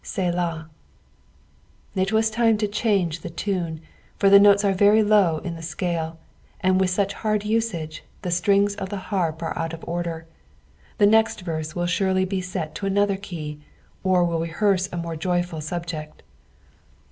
" Selak." It was time to change the tune, for the notes are very low in the scale, and with such bard usage, the strings of the harp are out of order : the nest verse will surely be set to another kej, or will rehearse a more joyful subject.